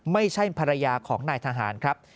ไม่ใช่ภรรยาของนายทหารครับ